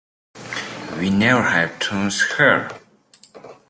We never have tunes here.